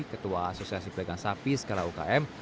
ketua asosiasi pedagang sapi sekarang ukm